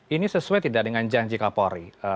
ini sesuai tidak dengan janji kapolri